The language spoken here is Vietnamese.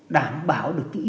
đảm bảo được cái yêu cầu